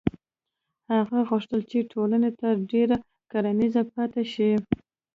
هغه غوښتل چې ټولنه تر ډېره کرنیزه پاتې شي.